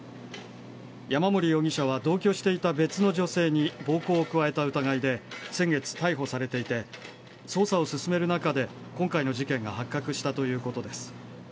山森容疑者は同居していた別の女性に暴行を加えた疑いで先月、逮捕されていて捜査を進める中で今回の事件が発覚したということです。